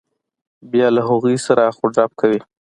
بیا له هغوی سره اخ و ډب کوي.